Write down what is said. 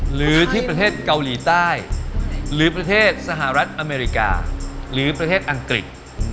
หรือที่ประเทศเกาหลีใต้หรือประเทศสหรัฐอเมริกาหรือประเทศอังกฤษ